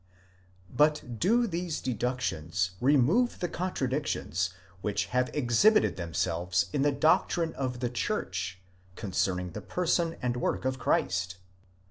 But do these deductions remove the contradictions which have exhibited themselves in the doctrine of the church, concerning the person and work of Christ?